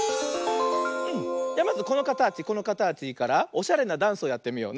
まずこのかたちこのかたちからおしゃれなダンスをやってみようね。